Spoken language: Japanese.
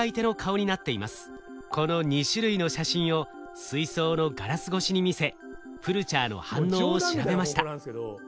この２種類の写真を水槽のガラス越しに見せプルチャーの反応を調べました。